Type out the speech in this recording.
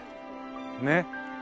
ねっ。